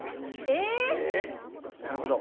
え⁉なるほど。